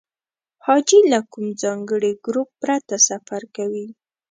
حاجي له کوم ځانګړي ګروپ پرته سفر کوي.